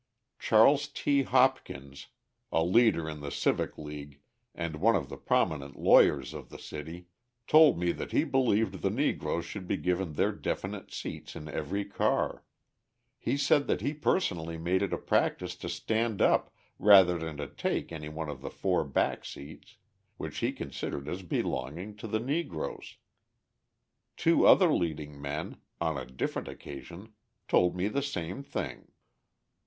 Charles T. Hopkins, a leader in the Civic League and one of the prominent lawyers of the city, told me that he believed the Negroes should be given their definite seats in every car; he said that he personally made it a practice to stand up rather than to take any one of the four back seats, which he considered as belonging to the Negroes. Two other leading men, on a different occasion, told me the same thing.